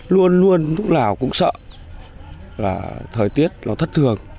luôn luôn lúc nào cũng sợ là thời tiết nó thất thường